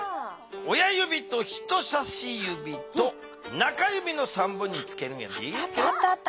親ゆびと人さしゆびと中ゆびの３本につけるんやで。